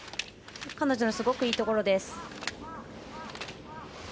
彼女のすごくいいところです。